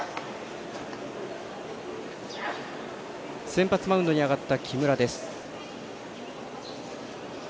先発マウンドに上がった木村です。